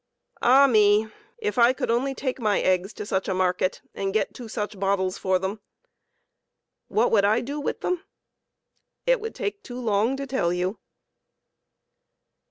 Ah me ! if I could only take my eggs to such a market and get two such bottles for them ! What would I do with them ? It would take too long to tell you.